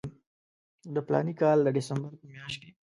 د فلاني کال د ډسمبر په میاشت کې.